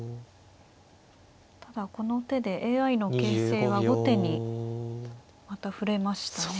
ただこの手でＡＩの形勢は後手にまた振れましたね。